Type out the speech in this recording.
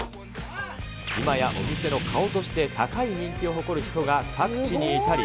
今やお店の顔として高い人気を誇る人が各地にいたり。